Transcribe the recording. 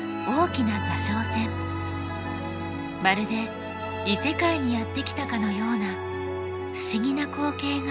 まるで異世界にやって来たかのような不思議な光景が広がっています。